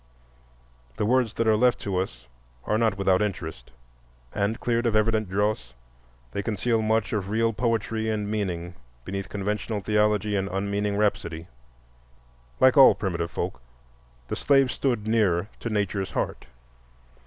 The words that are left to us are not without interest, and, cleared of evident dross, they conceal much of real poetry and meaning beneath conventional theology and unmeaning rhapsody. Like all primitive folk, the slave stood near to Nature's heart.